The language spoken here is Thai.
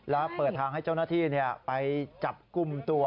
แล้วเปิดทางให้เจ้าหน้าที่ไปจับกลุ่มตัว